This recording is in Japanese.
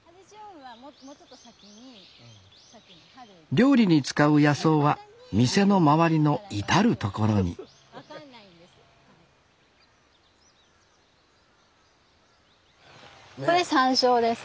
料理に使う野草は店の周りの至る所にこれ山椒です。